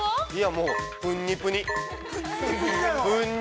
◆もうプニプニ。